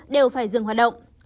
đều phải dừng hoạt động